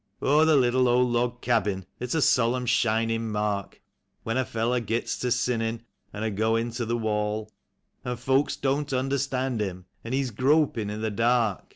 Oh, the little ol' log cabin, it's a solemn shinin' mark. When a feller gits ter sinnin', an' a goin' ter the wall. An' folks don't understand him, an' he's gropin' in the dark.